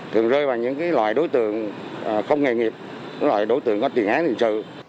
thường rơi vào những loại đối tượng không nghề nghiệp loại đối tượng có tiền án tình sự